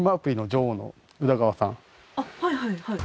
あっはいはいはい。